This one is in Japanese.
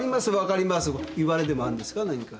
謂れでもあるんですか何か？